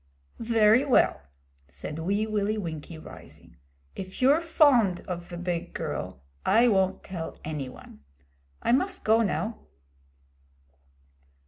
'Very well,' said Wee Willie Winkie, rising. 'If you're fond of ve big girl, I won't tell any one. I must go now.'